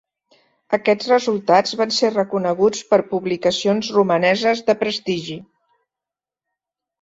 Aquests resultats van ser reconeguts per publicacions romaneses de prestigi.